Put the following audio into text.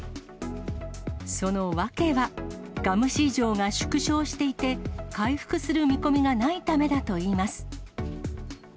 その訳は、ガム市場が縮小していて、回復する見込みがないためだといいます。